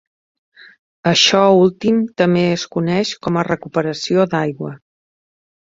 Això últim també es coneix com a recuperació d'aigua.